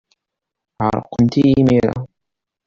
Ɛerqent-iyi imir-a.